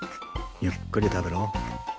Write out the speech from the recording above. ゆっくり食べろ。